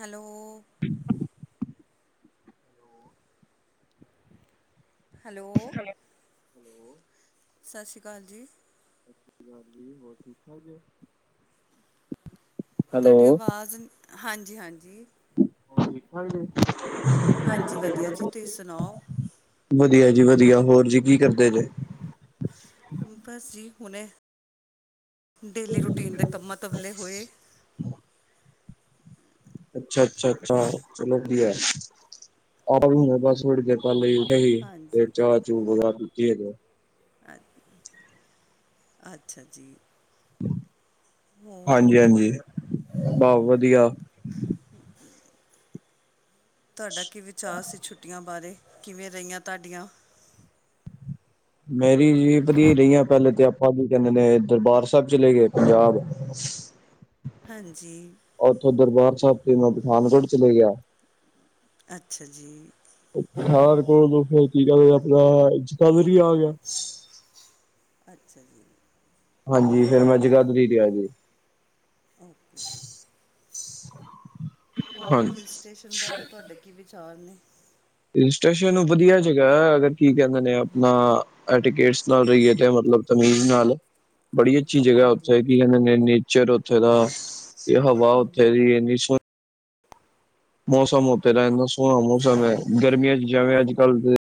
Hello hello hello ਸਤਿ ਸ਼੍ਰੀ ਅਕਾਲ ਜੀ। ਸਤਿ ਸ਼੍ਰੀ ਅਕਾਲ ਜੀ ਹੋਰ ਠੀਕ ਠਾਕ ਜੇ ਤੁਹਾਡੀ ਆਵਾਜ਼ ਹਾਂਜੀ-ਹਾਂਜੀ। ਹਾਂਜੀ ਵਧੀਆ ਜੀ ਤੁਸੀਂ ਸੁਣਾਓ [inaudible] ਵਧੀਆ ਜੀ ਵਧੀਆ ਹੋਰ ਜੀ ਕੀ ਕਰਦੇ ਜੇ ਬਸ ਜੀ ਹੁਣੇ ਡੇਲੀ ਰੂਟੀਨ ਦੇ ਕੰਮਾਂ ਤੋਂ ਵਿਹਲੇ ਹੋਏ। ਅੱਛਾ-ਅੱਛਾ-ਅੱਛਾ ਚਲੋ ਵਧੀਆ ਆਟੋ ਲੈਨੇ ਆ ਬਸ ਥੋੜੀ 'ਚ ਪਾਰਲੇ ਜੀ ਹੈਗੀ ਹੀ ਤੇੇ ਹਾਂਜੀ ਚਾਹ ਚੂ ਪੀਤੀ ਹੈਗਾ। ਹਾਂਜੀ ਅੱਛਾ ਜੀ। ਹੋਰ ਹਾਂਜੀ-ਹਾਂਜੀ ਬੋ ਵਧੀਆ [inaudible] ਤੁਹਾਡਾ ਕੀ ਵਿਚਾਰ ਸੀ ਛੁੱਟੀਆਂ ਬਾਰੇ ਕਿਵੇਂ ਰਈਆਂ ਤੁਹਾਡੀਆਂ ਮੇਰੀ ਜੀ ਵਧੀਆ ਰਈਆਂ। ਪੈਲੇ ਤੇ ਆਪਾਂ ਜੀ ਕੈਂਦੇ ਨੇ ਦਰਬਾਰ ਸਾਹਿਬ ਚਲੇ ਗਏ ਪੰਜਾਬ ਹਾਂਜੀ ਉੱਥੋਂ ਦਰਬਾਰ ਸਾਹਿਬ ਤੇ ਮੈਂ ਪਠਾਨਕੋਟ ਚਲੇ ਗਿਆ। ਅੱਛਾ ਜੀ। ਪਠਾਨਕੋਟ ਕੋਈ ਤੀਜਾ ਆਪਣਾ ਇਸਟਾ ਵੈਰੀ ਆ ਗਿਆ ਅੱਛਾ ਜੀ ਹਾਂਜੀ ਫਿਰ ਮੈਂ ਜਗਾਧਰੀ ਤੇ ਆਜੋ ਹੋਰ ਫਿਰ ਹਾਂਜੀ ਹਿਲ ਸਟੇਸ਼ਨ ਬਾਰੇ ਤੁਹਾਡੇ ਕੀ ਵਿਚਾਰ ਨੇ ਹਿਲ ਸਟੇਸ਼ਨ ਵਧੀਆ ਜਗਾ ਅਗਰ ਕੀ ਕਹਿੰਦੇ ਨੇ ਆਪਣਾ ਐ ਟਿਕੇਟਸ ਨਾ ਰਈਏ ਤੇ ਮਤਲਬ ਤਮੀਜ਼ ਨਾਲ ਬੜੀ ਅੱਛੀ ਜਗ੍ਹਾ ਹਾਂਜੀ ਉੱਥੇ ਕੀ ਕਹਿੰਦੇ ਨੇਚਰ ਉੱਥੇ ਦਾ ਇਹ ਹਵਾ ਉੱਥੇ ਦੀ ਇੰਨੀ ਸੋਹਣੀ ਮੌਸਮ ਉਥੇ ਦਾ ਇੰਨਾ ਸੋਹਣਾ ਮੌਸਮ ਹੈ ਗਰਮੀਆਂ ਚ ਜਿਵੇਂ ਅੱਜ ਹਾਂਜੀ ਕੱਲ੍ਹ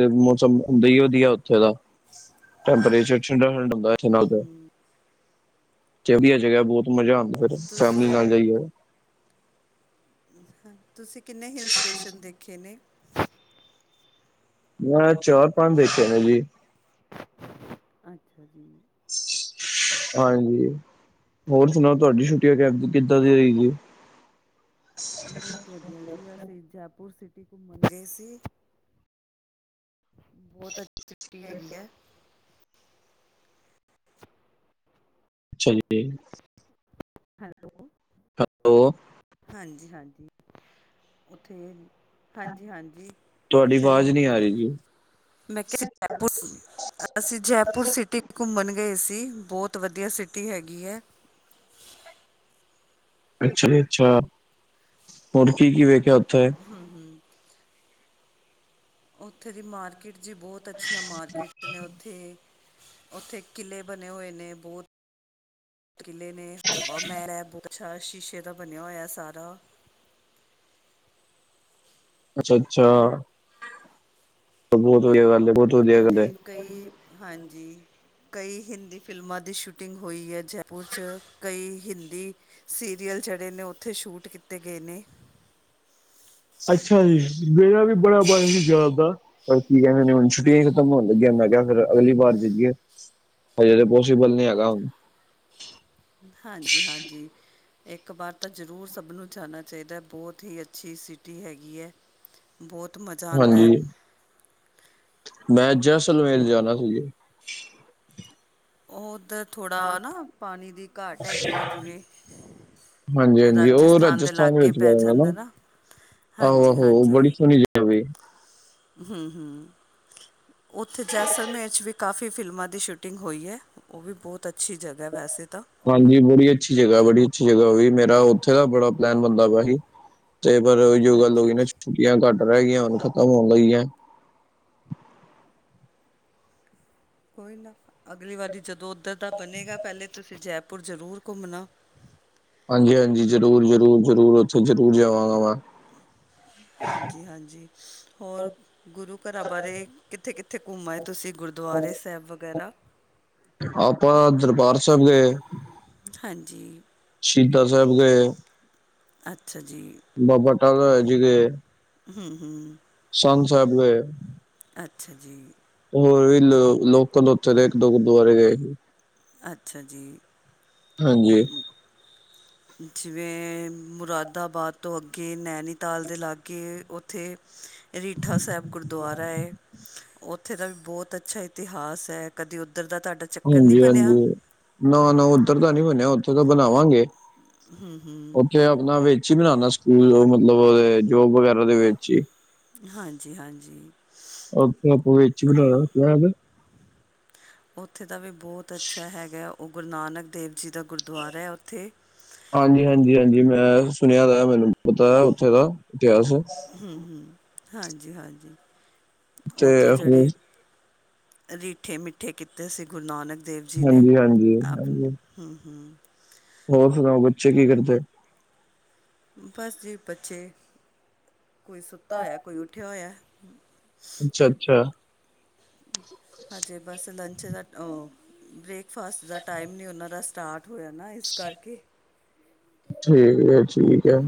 ਤੇ ਮੌਸਮ ਹੁੰਦਾ ਹੀ ਵਧੀਆ ਉੱਥੇ ਦਾ ਟੈਂਪਰੇਚਰ ਠੰਡਾ ਠੰਡਾ ਹੁੰਦਾ ਇਥੇ ਨਾਲੋ ਤੇ ਵਧੀਆ ਜਗ੍ਹਾ ਬਹੁਤ ਮਜ਼ਾ ਆਉਂਦਾ ਫਿਰ ਤੁਸੀਂ ਫੈਮਲੀ ਨਾਲ ਜਾਈਏ ਹਾਂ ਤੁਸੀਂ ਕਿੰਨੇ ਹਿੱਲ ਸਟੇਸ਼ਨ ਦੇਖੇ ਨੇ? ਮੈਂ ਚਾਰ ਪੰਜ ਦੇਖੇ ਨੇ ਜੀ। ਅੱਛਾ ਜੀ। ਹਾਂਜੀ। ਹੋਰ ਸੁਣਾਓ ਤੁਆਡੀ ਛੁੱਟੀਆਂ ਕੇਦ ਕਿੱਦਾਂ ਦੀਆ ਗਇਆ? ਬੋਤ ਵਧੀਆ ਜੀ। ਅਸੀ ਜੈਪੁਰ ਸਿਟੀ ਘੁੰਮਣ ਗਏ ਸੀ। ਬੋਤ ਅੱਛੀ ਸਿਟੀ ਹੈਗੀ ਐ। ਅੱਛਾ ਜੀ। ਹੈਲ ਓ। ਹੈਲੋ। ਹਾਂਜੀ-ਹਾਂਜੀ। ਓਥੇ ਹਾਂਜੀ-ਹਾਂਜੀ। ਤੁਹਾਡੀ ਓਥੇ ਦੀ ਆਵਾਜ਼ ਨਹੀਂ ਆ ਰਹੀ ਜੀ ਮੈਂ ਕਿਆ ਜੈਪੁਰ ਸੀ। ਅਸੀਂ ਜੈਪੁਰ ਸਿਟੀ [unintelligible] ਘੁੰਮਣ ਗਏ ਸੀ। ਬੋਤ ਵਧੀਆ ਸਿਟੀ ਹੈਗੀ ਐ। ਅੱਛਾ ਜੀ ਅੱਛਾ। ਹੋਰ ਕੀ-ਕੀ ਵੇਖਿਆ ਓਥੇ? ਹਮ-ਹਮ। ਓਥੇ ਦੀ ਮਾਰਕੀਟ ਚ ਬੋਤ ਅੱਛੀਆਂ ਮਾਰਕੀਟ ਨੇ ਓਥੇ। ਓਥੇ ਕਿਲ੍ਹੇ ਬਣੇ ਹੋਏ ਨੇ ਬੋਤ ਕਿਲ੍ਹੇ ਨੇ ਹਵਾ ਮੈਲ ਐ ਬੋਤ ਛਾ ਸ਼ੀਸ਼ੇ ਦਾ ਬਣਿਆ ਹੋਇਆ ਸਾਰਾ। ਅੱਛਾ-ਅੱਛਾ। ਬੋਤ ਵਧੀਆ ਗੱਲ ਏ ਬੋਤ ਉੱਥੇ ਕਈ ਹਾਂਜੀ ਕਈ ਹਿੰਦੀ ਫਿਲਮਾਂ ਦੀ ਸ਼ੂਟਿੰਗ ਹੋਈ ਐ। ਜੈਪੁਰ ਚ ਕਈ ਹਿੰਦੀ ਸੀਰੀਅਲ ਜੇੜੇ ਨੇ ਉੱਥੇ ਸ਼ੂਟ ਕੀਤੇ ਗਏ ਨੇ। ਅੱਛਾ ਜੀ। ਮੇਰਾ ਵੀ ਬੜਾ ਮਨ ਹੀ ਜਾਨ ਦਾ ਪਰ ਕੀ ਕਹਿੰਦੇ ਨੇ ਹੁਣ ਛੁੱਟੀਆਂ ਈ ਖ ਤਮ ਹੋਣ ਲਗਿਆ। ਮੈਂ ਕਿਆ ਫੇਰ ਅਗਲੀ ਵਾਰ ਜਈਐ। ਹਜ਼ੇ ਤੇ ਪੋਸੀਬਲ ਨੀ ਹੈਗਾ ਹੁਣ। ਹਾਂਜੀ-ਹਾਂਜੀ। ਏਕ ਬਾਰ ਤਾ ਜ਼ਰੂਰ ਸਭ ਨੂੰ ਜਾਣਾ ਚਾਈਦੈ ਬੋਤ ਹੀ ਅੱਛੀ ਸਿਟੀ ਹੈਗੀ ਐ। ਬੋਤ ਮਜ਼ ਹਾਂਜੀ। ਮੈਂ ਜੈਸਲਮੇਰ ਜਾਣਾ ਸੀ ਜੇ। ਉਹ ਓਧਰ ਥੋੜਾ ਨਾ ਪਾਣੀ ਦੀ ਘਾਟ ਹੈਗੀ ਐ ਜਿਵੇਂ। ਹਾਂਜੀ-ਹਾਂਜੀ ਓ ਰਾਜਸਥਾਨ ਵਿੱਚ ਪੈ ਜਾਂਦਾ ਨਾ। ਹਾਂਜੀ ਆਹੋ-ਆਹੋ ਬੜੀ ਸੋਨੀ ਜਗਾ ਵੇ। ਹਮ-ਹਮ। ਉੱਥੇ ਜੈਸਲਮੇਰ ਚ ਵੀ ਕਾਫੀ ਫਿਲਮਾਂ ਦੀ ਸ਼ੂਟਿੰਗ ਹੋਈ ਐ। ਓ ਵੀ ਬੋਤ ਅੱਛੀ ਜਗ੍ਹਾ ਵੈਸੇ ਤਾ। ਹਾਂਜੀ ਬੜੀ ਅੱਛੀ ਜਗਾ- ਬੜੀ ਅੱਛੀ ਜਗਾ ਓਵੀ ਮੇਰਾ ਉੱਥੇ ਦਾ ਬੜਾ ਪਲੈਨ ਬੰਦਾ ਪਿਆ ਹੀ। ਤੇ ਪਰ ਓਇਓ ਗੱਲ ਹੋ ਅੱਛਾ ਗੀ ਨਾ ਅੱਛਾ ਛੁੱਟੀਆਂ ਘੱਟ ਰੇਹ ਗਈਆਂ ਹੁਣ ਖ਼ਤਮ ਹੋਣ ਲਗੀਐ। ਕੋਈ ਨਾ ਅਗਲੀ ਵਾਰੀ ਜਦੋਂ ਉੱਧਰ ਦਾ ਬਣੇਗਾ ਪੈਲੇ ਤੁਸੀਂ ਜੈਪੁਰ ਜ਼ਰੂਰ ਘੁੰਮਣਾ। ਹਾਂਜੀ-ਹਾਂਜੀ ਜ਼ਰੂਰ-ਜ਼ਰੂਰ, ਜ਼ਰੂਰ ਉੱਥੇ ਜ਼ਰੂਰ ਜਾਵਾਂਗਾ ਮੈਂ। ਹਾਂਜੀ-ਹਾਂਜੀ ਹੋਰ ਗੁਰੂ ਘਰਾਂ ਬਾਰੇ ਕਿੱਥੇ-ਕਿੱਥੇ ਘੁੰਮ ਆਏ ਤੁਸੀ ਗੁਰਦੁਆਰੇ ਸੈਬ ਵਗੈਰਾ? ਆਪਾਂ ਦਰਬਾਰ ਸੈਬ ਗਏ। ਹਾਂਜੀ। ਸ਼ੀਧਾ ਸੈਬ ਗਏ। ਅੱਛਾ ਜੀ, ਬਾਬਾ ਟਾਲਾ ਹੈ ਹੂੰ-ਹੂੰ। ਸਨ ਸੈਬ ਗਏ। ਅੱਛਾ ਜੀ। ਹੋਰ ਵੀ ਲ ਲੋਕਲ ਉੱਥੇ ਦੇ ਏਕ ਦੋ ਗੁਰਦੁਆਰੇ ਗਏ ਹੀ। ਅੱਛਾ ਜੀ। ਹਾਂਜੀ ਮ ਜਿਵੇਂ ਮੁਰਾਦਾਬਾਦ ਤੋਂ ਅੱਗੇ ਨੈਨੀਤਾਲ ਦੇ ਲਾਗੇ ਉੱਥੇ ਰੀਠਾ ਸੈਬ ਗੁਰਦੁਆਰਾ ਏ। ਉੱਥ ਥੇ ਦਾ ਵੀ ਬਹੁਤ ਅੱਛਾ ਇਤਿਹਾਸ ਐ। ਕਦੇ ਉੱਧਰ ਦਾ ਤਾਡਾ ਹਾਂਜੀ- ਹਾਂਜੀ ਨਾ- ਨਾ ਉੱਧਰ ਤਾਂ ਨਹੀਂ ਬਣਿਆ, ਉੱਥਰ ਤਾਂ ਬਣਾਵਾਂਗੇ। ਉੱਥੇ ਆਪਣਾ ਵਿੱਚ ਹੀ ਬਣਾਣਾ, ਸਕੂਲ ਮਤਲਬ ਜੋਬ ਵਗੈਰਾ ਦੇ ਵਿੱਚ ਹੀ। ਹਾਂਜੀ- ਹਾਂਜੀ। ਔਥੇ ਅਪਣੇ ਇਚ [unintelligible] ਵੀ ਨ ਕਿ ਇਹਵੇ ਉੱਥੇ ਦਾ ਵੀ ਬਹੁਤ ਅੱਛਾ ਹੈਗਾ ਉਹ ਗੁਰੂ ਨਾਨਕ ਦੇਵ ਜੀ ਦਾ, ਗੁਰਦੁਆਰਾ ਹੈ ਉੱਥੇ। ਹਾਂਜੀ- ਹਾਂਜੀ, ਹਾਂਜੀ ਮੈਂ ਸੁਣਿਆ ਵਾ ਮੈਨੂੰ ਪਤਾ ਉੱਥੇ ਦਾ ਇਤਿਹਾਸ ਹੂੰ-ਹੂੰ, ਹਾਂਜੀ- ਹਾਂਜੀ ਤੇ ਉੱਥੇ ਹੋਰ ਜਿਹੜੇ ਰੀਠੇ ਮਿੱਠੇ ਕੀਤੇ ਸੀ ਗੁਰੂ ਨਾਨਕ ਦੇਵ ਜੀ ਨੇ, ਹਾਂਜੀ ਹਾਂਜੀ ਆਪ ਹਾਂਜੀ ਹੂੰ-ਹੂੰ, ਹੋਰ ਸੁਣਾਓ ਬੱਚੇ ਕੀ ਕਰਦੇ? ਬਸ ਜੀ ਬੱਚੇ ਕੋਈ ਸੁੱਤਾ ਹੋਇਆ, ਕੋਈ ਉੱਠਿਆ ਹੋਇਆ। ਅੱਛਾ-ਅੱਛਾ। ਹੂੰ। ਹਜੇ ਬਸ ਲੰਚ ਦਾ ਓਹ ਬ੍ਰੇਕਫਾਸਟ ਦਾ ਟਾਈਮ ਨਹੀਂ ਉਹਨਾਂ ਦਾ ਸਟਾਰਟ ਹੋਇਆ ਨਾ ਇਸ ਕਰਕੇ। ਠੀਕ ਹੈ- ਠੀਕ ਹੈ।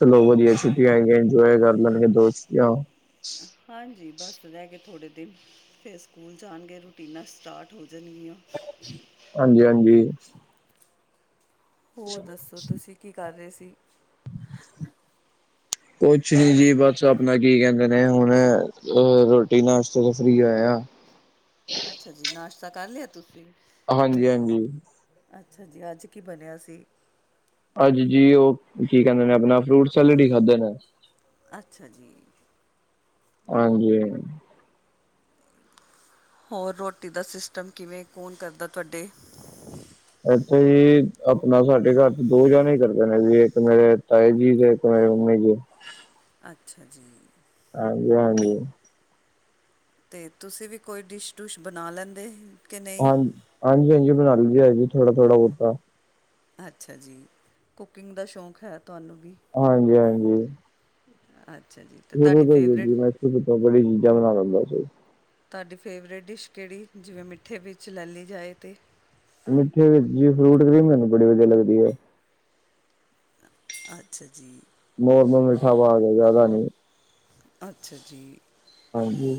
ਚਲੋ ਵਧੀਆ ਹੈ ਛੁੱਟੀਆਂ ਹੈਗੀਆਂ ਇੰਜੋਏ ਕਰ ਲੈਣਗੇ ਦੋਸਤੀਆ। ਹਾਂਜੀ ਬਸ ਰਹਿ ਗ ਥੋੜੇ ਦਿਨ। ਫੇਰ ਸਕੂਲ ਜਾਣਗੇ ਰੂਟੀਨਾਂ ਸਟਾਰਟ ਹੋ ਜਾਣਗੀਆਂ। ਹਾਂਜੀ- ਹਾਂਜੀ, ਹੋਰ ਦੱਸੋ ਤੁਸੀਂ ਕੀ ਕਰ ਰਹੇ ਸੀ? ਕੁਛ ਨੀ ਜੀ ਬਸ ਆਪਣਾ ਕੀ ਕਹਿੰਦੇ ਨੇ ਹੁਣ ਅ ਰੋਟੀ ਨਾਸ਼ ਤੋਂ ਫਰੀ ਹੋਇਆ। ਅੱਛਾ ਜੀ ਨਾਸ਼ਤਾ ਕਰ ਲਿਆ ਤੁਸੀਂ? ਹਾਂਜੀ- ਹਾਂਜੀ। ਅੱਛਾ ਜੀ ਅੱਜ ਕੀ ਬਣਿਆ ਸੀ? ਅੱਜ ਜੀ ਉਹ ਕੀ ਕਹਿੰਦੇ ਨੇ ਆਪਣਾ ਫਰੂਟ ਸੈਲਡ ਹੀ ਖਾਧਦੇ ਨੇ। ਅੱਛਾ ਜੀ। ਹਾਂਜੀ, ਹੋਰ ਰੋਟੀ ਦਾ ਸਿਸਟਮ ਕਿਵੇਂ ਕੌਨ ਕਰਦਾ ਤੁਆਡੇ ਏਥੇ ਜੀ ਆਪਨਾ ਸਾਡੇ ਘਰ ਚ ਦੋ ਜਨੇ ਈ ਕਰਦੇ ਨੇ ਜੀ ਇੱਕ ਮੇਰੇ ਤਾਏ ਜੀ ਦੇ [inaudible] ਅੱਛਾ ਜੀ। ਹਾਂਜੀ-ਹਾਂਜੀ, ਤੇ ਤੁਸੀਂ ਵੀ ਕੋਈ ਡਿਸ਼ ਡੁਸ਼ ਬਨਾ ਲੈਂਦੇ। ਕਿ ਨਹੀਂ ਹਾਂਜੀ-ਹਾਂਜੀ-ਹਾਂਜੀ ਬਨਾ ਲਈਦੀ ਜੀ ਥੋੜਾ-ਥੋੜ੍ਹਾ ਬੋਤਾ ਅੱਛਾ ਜੀ ਕੁਕਿੰਗ ਦਾ ਸ਼ੌਂਕ ਹੈ ਤੁਹਾਨੂੰ ਵੀ। ਹਾਂਜੀ-ਹਾਂਜੀ। ਅੱਛਾ ਜੀ, ਤੇ ਤਾਡੀ ਫੇਵਰੇਟ ਕੜੀ ਚਾਵਲ ਏ ਚੀਜ਼ਾਂ ਬਨਾ ਲੈਂਦਾ ਸੀ। ਤਾਡੀ ਫੇਵਰੇਟ ਡਿਸ਼ ਕੇੜੀ ਜਿਵੇਂ ਮਿੱਠੇ ਵਿੱਚ ਲੈ ਲਈ ਜਾਏ ਤੇ ਮਿੱਠੇ ਵਿੱਚ ਜੀ ਫਰੂਟ ਕਰੀ ਮੈਨੂੰ ਬੜੀ ਵਦੀਆ ਲੱਗਦੀ ਐ। ਅੱਛਾ ਜੀ। ਨੋਰਮਲ ਮਿੱਠਾ ਪਾ ਕੇ ਜ਼ਾਦਾ ਨੀ ਅੱਛਾ ਜੀ, ਹਾਂਜੀ।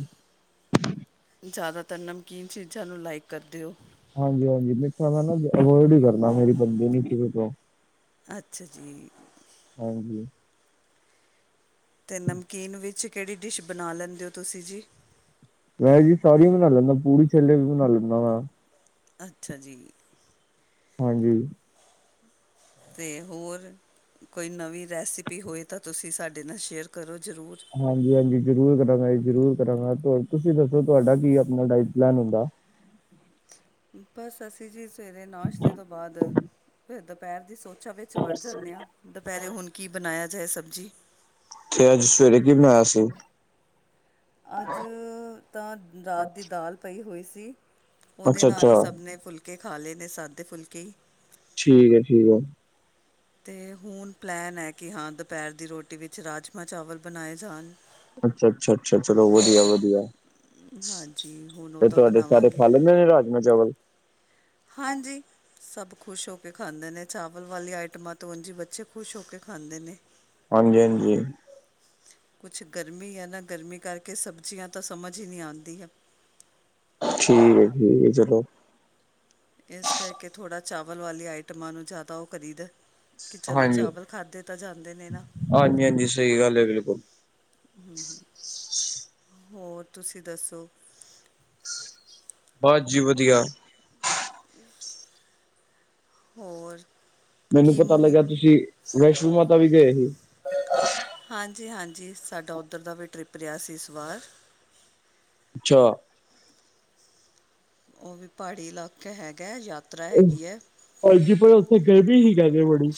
ਜ਼ਾਦਾਤਰ ਨਮਕੀਨ ਚੀਜ਼ਾਂ ਨੂੰ ਲਾਈਕ ਕਰਦੇ ਓਂ। ਹਾਂਜੀ-ਹਾਂਜੀ ਮਿੱਠਾ ਮੈਂ ਨਾ ਅਵੋਇਡ ਈ ਕਰਨਾ ਮੇਰੀ ਬਨਦੀ ਨੀ ਕਿਵੇ ਕਿਓਂ ਅੱਛਾ ਜੀ, ਹਾਂਜੀ, ਤੇ ਨਮਕੀਨ ਵਿੱਚ ਕੇੜੀ ਡਿਸ਼ ਬਣਾ ਲੈਂਦੇ ਓਂ ਤੁਸੀਂ ਜੀ। ਮੈਂ ਜੀ ਸਾਰੀਆਂ ਬਨਾ ਲੈਂਨਾ ਪੂੜੀ ਛੋਲੇ ਵੀ ਬਨਾ ਲੈਂਨਾ ਮੈਂ। ਅੱਛਾ ਜੀ। ਹਾਂਜੀ। ਤੇ ਹੋਰ ਕੋਈ ਨਵੀਂ ਰੈਸਪੀ ਹੋਏ ਤਾਂ ਤੁਸੀਂ ਸਾਡੇ ਨਾਲ ਸ਼ੇਅਰ ਕਰੋ ਜ਼ਰੂਰ। ਹਾਂਜੀ-ਹਾਂਜੀ ਜ਼ਰੂਰ ਕਰਾਂਗਾ ਜੀ ਜ਼ਰੂਰ ਕਰਾਂਗਾ ਤੁਸੀਂ ਦੱਸੋ ਤੁਆਡਾ ਕੀ ਆਪਨਾ ਡਾਇਟ ਪਲੈਨ ਹੁੰਦਾ। ਬਸ ਅਸੀਂ ਜੀ ਸਵੇਰੇ ਨਾਸ਼ਤੇ ਤੋਂ ਬਾਦ ਫਿਰ ਦੁਪੈਰ ਦੀ ਸੋਚਾਂ ਵਿੱਚ ਵੜ ਜਾਂਦੇ ਆਂ ਦੁਪੈਰੇ ਹੁਨ ਕੀ ਬਨਏਆ ਜਾਏ ਸਬਜ਼ੀ। ਤੇ ਅੱਜ ਸਵੇਰੇ ਕੀ ਬਨਾਏਆ ਸੀ। ਅੱਜ ਤਾਂ ਰਾਤ ਦੀ ਦਾਲ ਪਈ ਹੋਈ ਸੀ। ਓਦੇ ਨਾਲ ਈ ਅੱਛਾ-ਅੱਛਾ ਸਭ ਨੇ ਫੁਲਕੇ ਖਾ ਲਏ ਨੇ ਸਾਦੇ ਫੁਲਕੇ ਈ। ਠੀਕ ਐ-ਠੀਕ ਐ। ਤੇ ਹੁਨ ਪਲੈਨ ਐ ਕੇ ਹਾਂ ਦੁਪੈਰ ਦੀ ਰੋਟੀ ਵਿੱਚ ਰਾਜਮਾਂਹ ਚਾਵਲ ਬਨਾਏ ਜਾਨ। ਅੱਛਾ-ਅੱਛਾ-ਅੱਛਾ ਚਲੋ ਵਦੀਆ-ਵਦੀਆ। ਹਾਂਜੀ ਹੁਣ ਉਹ ਤੇ ਤਾਂ ਤੁਆਡੇ ਘਰ ਬਣਾਵਾਂਗੇ ਖਾ ਲੈਂਦੇ ਨੇ ਰਾਜਮਾਂਹ ਚਾਵਲ। ਹਾਂਜੀ। ਸਬ ਖੁਸ਼ ਹੋ ਕੇ ਖਾਂਦੇ ਨੇ ਚਾਵਲ ਵਾਲੀ ਆਈਟਮਾਂ ਤਾਂ ਉਂਝ ਈ ਬੱਚੇ ਖੁਸ਼ ਹੋ ਕੇ ਖਾਂਦੇ ਨੇ। ਹਾਂਜੀ-ਹਾਂਜੀ। ਕੁਛ ਗਰਮੀਂ ਐ ਨਾ ਗਰਮੀਂ ਕਰਕੇ ਸਬਜ਼ੀਆਂ ਤਾਂ ਸਮਝ ਈ ਨੀ ਆਂਦੀਆਂ। ਠੀਕ ਐ-ਠੀਕ ਐ ਚਲੋ। ਇਸ ਕਰਕੇ ਥੋੜ੍ਹਾ ਚਾਵਲ ਵਾਲੀ ਆਈਟਮਾਂ ਨੂੰ ਜ਼ਾਦਾ ਓ ਕਰੀਦਾ। ਕੇ ਚਲੋ ਹਾਂਜੀ। ਚਾਵਲ ਖਾਧੇ ਤਾਂ ਜਾਂਦੇ ਨੇ ਨਾ। ਹਾਂਜੀ ਹਾਂਜੀ ਸਹੀ ਗੱਲ ਹੈ ਬਿਲਕੁਲ ਹੂੰ-ਹੂੰ, ਹੋਰ ਤੁਸੀਂ ਦੱਸੋ ਬਸ ਜੀ ਵਧੀਆ [unintelligible] ਹੋਰ ਮੈਨੂੰ ਕੀ ਪਤਾ ਮੁਹਿੰਮ ਲੱਗਿਆ ਤੁਸੀਂ ਵੈਸ਼ਨੋ ਮਾਤਾ ਵੀ ਗਏ ਸੀ ਹਾਂਜੀ ਹਾਂਜੀ ਸਾਡਾ ਉੱਧਰ ਦਾ ਵੀ ਟ੍ਰਿਪ ਰਿਹਾ ਸੀ ਇਸ ਵਾਰ ਅੱਛਾ ਉਹ ਵੀ ਪਹਾੜੀ ਇਲਾਕੇ ਹੈਗਾ ਯਾ ਭੈਣਜੀ ਪਰ ਉੱਥੇ ਗਰਮੀਂ ਸੀ ਜ਼ਿਆਦਾ ਬੜੀ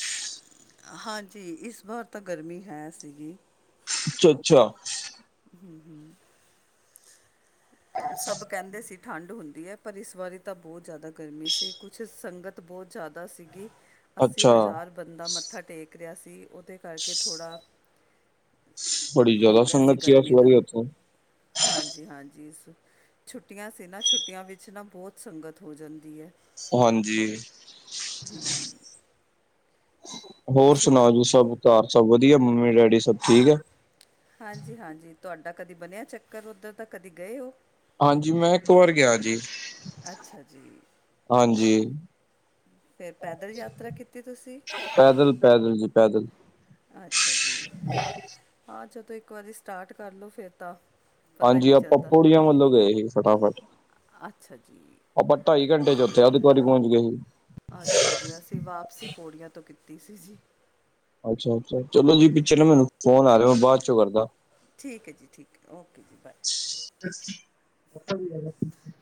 ਹਾਂਜੀ ਇਸ ਵਾਰ ਤਾਂ ਗਰਮੀਂ ਹੈ ਸੀਗੀ ਅੱਛਾ ਅੱਛਾ [unintelligible] ਸਬ ਕਹਿੰਦੇ ਸੀ ਠੰਡ ਹੁੰਦੀ ਹੈ ਪਰ ਇਸ ਵਾਰੀ ਤਾਂ ਬਹੁਤ ਜ਼ਿਆਦਾ ਗਰਮੀ ਸੀ ਕੁਛ ਸੰਗਤ ਬਹੁਤ ਜ਼ਿਆਦਾ ਸੀਗੀ ਅੱਸੀ ਅੱਛਾ ਹਜ਼ਾਰ ਬੰਦਾ ਮੱਥਾ ਟੇਕ ਰਿਹਾ ਸੀ ਉਹ ਤੇ ਕਰਕੇ ਥੋੜ੍ਹਾ ਬੜੀ ਹੋ ਜ਼ਿਆਦਾ ਗਿਆ ਸੀ ਸੰਗਤ ਇਸ ਗਰਮੀਂ ਦਾ ਵਾਰੀ ਉੱਥੇ ਹਾਂਜੀ ਹਾਂਜੀ ਇਸ ਛੁੱਟੀਆਂ ਸੀ ਨਾ ਛੁੱਟੀਆਂ ਵਿੱਚ ਨਾ ਬਹੁਤ ਸੰਗਤ ਹੋ ਜਾਂਦੀ ਹੈ ਹਾਂਜੀ ਹੋਰ ਤੁਸੀਂ ਸੁਣਾਓ ਕ ਜੀ ਸਭ ਘਰ ਸਭ ਵਧੀਆ ਮੰਮੀ ਡੈਡੀ ਸਭ ਠੀਕ ਆ ਹਾਂਜੀ ਹਾਂਜੀ ਤੁਹਾਡਾ ਕਦੀ ਬਣਿਆ ਚੱਕਰ ਉੱਧਰ ਤਾਂ ਕਦੇ ਗਏ ਹੋ ਹਾਂਜੀ ਮੈਂ ਇੱਕ ਵਾਰ ਗਿਆ ਜੀ ਅੱਛਾ ਜੀ ਹਾਂਜੀ ਫਿਰ ਪੈਦਲ ਯਾਤਰਾ ਕੀਤੀ ਤੁਸੀਂ ਪੈਦਲ ਪੈਦਲ ਜੀ ਪੈਦਲ ਅੱਛਾ ਜੀ [unintelligible] ਹਾਂ ਜਦੋਂ ਇੱਕ ਵਾਰੀ ਸਟਾਰਟ ਕਰ ਲਉ ਫਿਰ ਤਾਂ ਪਤਾ ਹੀ ਹਾਂਜੀ ਨਹੀਂ ਆਪਾਂ ਚੱਲਦਾ ਪੌੜੀਆਂ ਵੱਲੋਂ ਗਏ ਸੀ ਫਟਾਫਟ ਅੱਛਾ ਜੀ ਆਪਾਂ ਢਾਈ ਘੰਟੇ ਚ ਚਲ ਏਕ ਵਰੀ ਪਹੁੰਚ ਗਏ ਅੱਛਾ ਜੀ, ਅਸੀਂ ਵਾਪਸੀ ਪੌੜੀਆਂ ਤੋਂ ਕੀਤੀ ਸੀ ਜੀ ਅੱਛਾ ਅੱਛਾ ਚਲੋ ਜੀ ਪਿੱਛੇ ਨਾ ਮੈਨੂੰ, ਫੋਨ ਆ ਰਿਹਾ ਬਾਅਦ ਚੋਂ ਕਰਦਾ ਠੀਕ ਹੈ ਜੀ, ਠੀਕ ਹੈ ਓਕੇ ਜੀ ਬਾਏ [unintelligible]